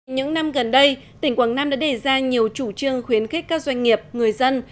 những năm gần đây tỉnh quảng nam đã đề ra nhiều chủ trương khuyến khích các doanh nghiệp người dân